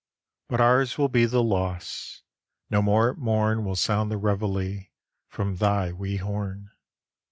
But ours will be the loss— No more at morn Will sound the reveillé From thy wee horn.